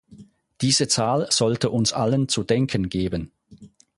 Diese Zahl sollte uns allen zu denken geben.